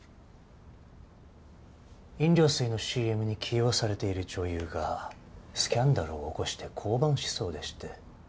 飲料水のＣＭに起用されている女優がスキャンダルを起こして降板しそうでして。